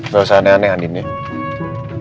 gak usah aneh aneh andi nih